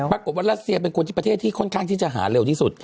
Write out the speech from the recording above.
ปรากฏว่ารัสเซียเป็นคนที่ประเทศที่ค่อนข้างที่จะหาเร็วที่สุด